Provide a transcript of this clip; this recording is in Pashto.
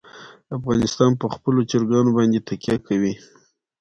افغانستان په خپلو چرګانو باندې تکیه لري.